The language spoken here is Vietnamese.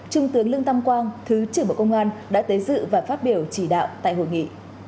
trung tướng lương tâm quang thứ trưởng bộ công an đã tới dự và phát biểu chỉ đạo tại hội nghị